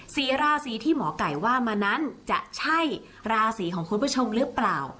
สี่ราศีที่หมอไก่ว่ามานั้นจะใช่ราศีของคุณผู้ชมหรือเปล่า